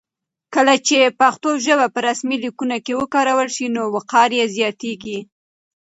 کله چې پښتو ژبه په رسمي لیکونو کې وکارول شي نو وقار یې زیاتېږي.